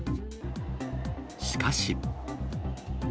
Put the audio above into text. しかし。